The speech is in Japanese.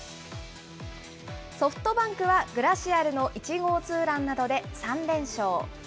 ソフトバンクはグラシアルの１号ツーランなどで３連勝。